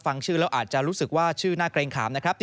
ฟังชื่อแล้วอาจจะรู้สึกว่าชื่อน่าเกรงขามนะครับ